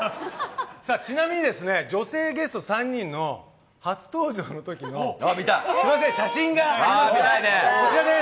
ちなみに女性ゲスト３人の初登場のときの写真があります。